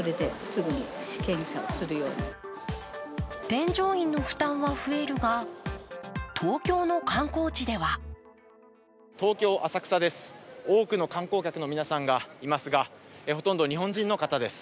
添乗員の負担は増えるが、東京の観光地では東京・浅草です、多くの観光客の皆さんがいますがほとんど日本人の方です。